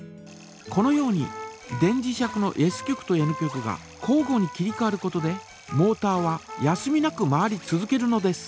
このように電磁石のＳ極とＮ極が交ごに切りかわることでモータは休みなく回り続けるのです。